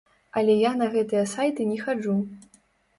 Але я на гэтыя сайты не хаджу.